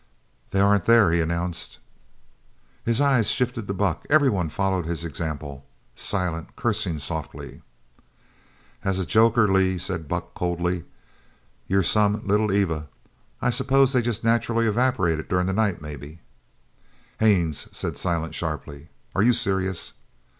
"They aren't there," he announced. His eyes shifted to Buck. Everyone followed his example, Silent cursing softly. "As a joker, Lee," said Buck coldly, "you're some Little Eva. I s'pose they jest nacherally evaporated durin' the night, maybe?" "Haines," said Silent sharply, "are you serious?"